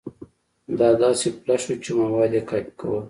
دا داسې فلش و چې مواد يې کاپي کول.